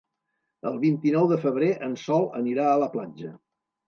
El vint-i-nou de febrer en Sol anirà a la platja.